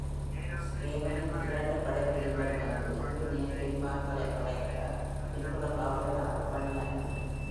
ஸ்கேமனின் இரண்டு படைப்பிரிவுகள் வந்து, யூனியன் பின்வாங்கலை மறைக்க, பின்புற காவலராக பணியாற்றின.